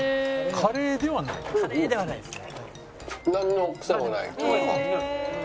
「カレーではないですね」